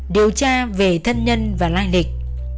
điều tra về thân nhân và lai lịch